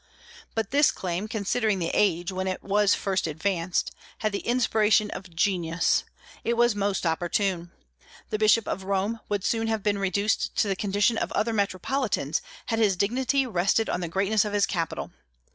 But this claim, considering the age when it was first advanced, had the inspiration of genius. It was most opportune. The Bishop of Rome would soon have been reduced to the condition of other metropolitans had his dignity rested on the greatness of his capital.